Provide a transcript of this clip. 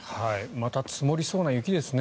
また積もりそうな雪ですね。